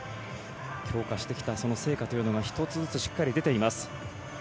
強化してきたその成果というのが１つずつしっかり出ています。